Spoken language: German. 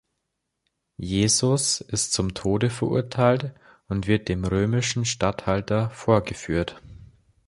Jesus ist zum Tode verurteilt und wird dem römischen Statthalter vorgeführt.